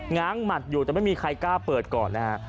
ง้างหมัดอยู่แต่ไม่มีใครกล้าเปิดก่อนนะฮะ